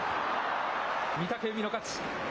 御嶽海の勝ち。